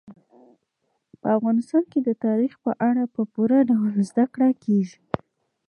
په افغانستان کې د تاریخ په اړه په پوره ډول زده کړه کېږي.